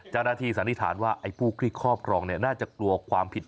เจ้าหน้าที่สันนิษฐานว่าผู้คลิกครอบครองน่าจะกลัวความผิด